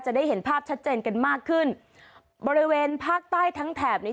ได้เห็นภาพชัดเจนกันมากขึ้นบริเวณภาคใต้ทั้งแถบนี้